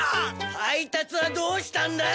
配達はどうしたんだい？